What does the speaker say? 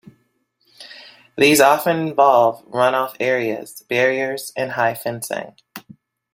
These often involve run off areas, barriers, and high fencing.